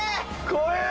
怖え。